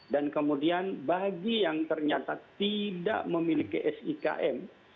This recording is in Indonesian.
dan kemudian bagi yang ternyata tidak memiliki sikm